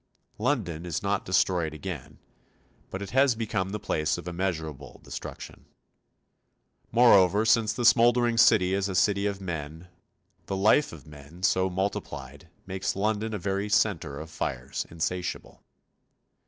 London is not destroyed again, but it has become the place of immeasurable destruction. Moreover, since the smouldering city is a city of men, the life of men, so multiplied, makes London a very centre of fires insatiable.